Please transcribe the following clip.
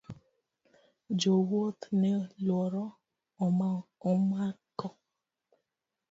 Jo wuoth ne luoro omako.